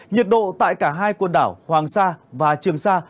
nhiệt độ tại cả hai quần đảo hoàng sa và trường sa